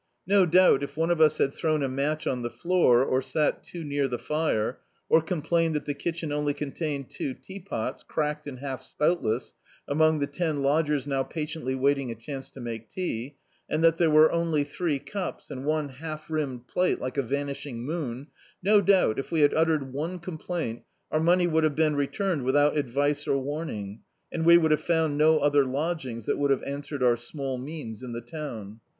No doubt if one of us had thrown a match on the floor, or sat too near the fire; or com plained that the kitchen only contained two tea pots, craclced and half spoutless, among the ten lodgers now patiently waiting a chance to make tea; and that tiiere were only three cups, and one half rimmed plate like a vanishing moon — no doubt if we had uttered one complaint, our money would have been returned without advice or warning, and we would have found no other lodgings that would have an swered our small means in the town.